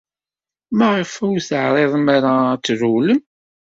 Maɣef ur teɛriḍem ara ad trewlem?